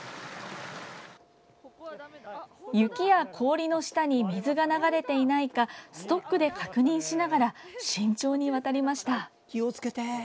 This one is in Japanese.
雪や氷の下に水が流れていないかストックで確認しながら慎重に渡りました。